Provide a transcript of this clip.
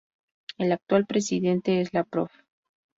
El actual presidente es la Prof.